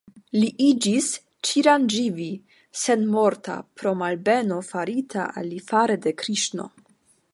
Li iĝis "Ĉiranĝivi" (senmorta) pro malbeno farita al li fare de Kriŝno.